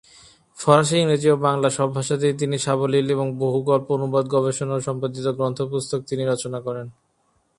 ফরাসী, ইংরেজি ও বাংলা সব ভাষাতেই তিনি সাবলীল এবং বহু গল্প, অনুবাদ, গবেষণা ও সম্পাদিত গ্রন্থ-পুস্তক তিনি রচনা করেন।